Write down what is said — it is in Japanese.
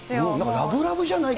ラブラブじゃないか？